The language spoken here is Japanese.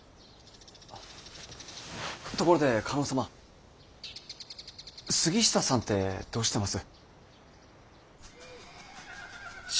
ところで加納様杉下さんってどうしてます？